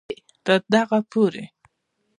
تر دغه پورې